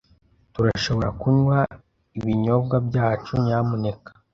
Turashobora kunywa ibinyobwa byacu, nyamuneka?